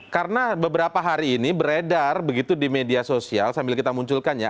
karena beberapa hari ini beredar begitu di media sosial sambil kita munculkan ya